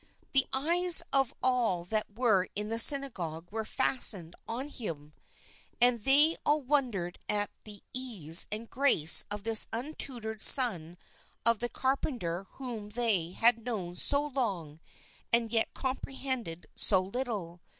" The eyes of all that were in the Synagogue were fastened on him " and they all wondered at the ease and grace of this untutored son of the car penter whom they had known so long and yet comprehended so little.